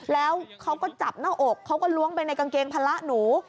แล้วเขาก็จับหน้าอกเขาก็ล้วงไปในกางเกงพละหนู